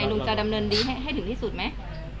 ลุงจะดำเนินคดีให้ถึงที่สุดไหม